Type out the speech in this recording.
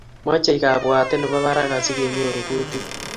mochei kabwatet nebo barak asikenyoru kutit